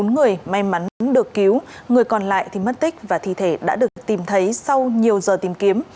bốn người may mắn được cứu người còn lại thì mất tích và thi thể đã được tìm thấy sau nhiều giờ tìm kiếm